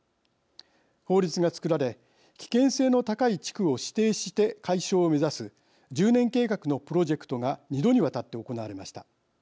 法律が作られ危険性の高い地区を指定して解消を目指す１０年計画のプロジェクトが２度にわたって行われました。